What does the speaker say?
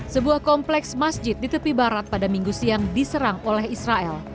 sebuah kompleks masjid di tepi barat pada minggu siang diserang oleh israel